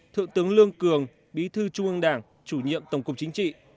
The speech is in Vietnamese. thượng tướng lương cường bí thư trung ương đảng chủ nhiệm tổng cục chính trị